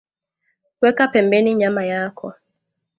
weka pembeni nyama yako